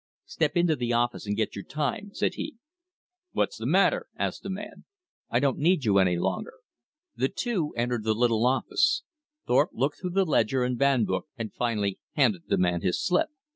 "Step into the office and get your time," said he. "What's the matter?" asked the man. "I don't need you any longer." The two entered the little office. Thorpe looked through the ledger and van book, and finally handed the man his slip.